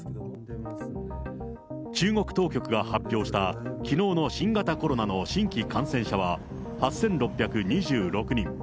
中国当局が発表した、きのうの新型コロナの新規感染者は８６２６人。